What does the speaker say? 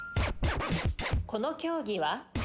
この競技は？